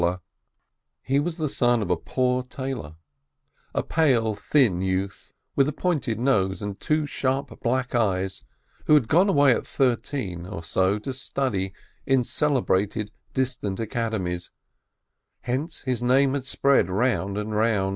4 BERKOWITZ He was the son of a poor tailor, a pale, thin youth, with a pointed nose and two sharp, black eyes, who had gone away at thirteen or so to study in celebrated, dis tant academies, whence his name had spread round and about.